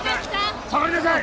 下がりなさい。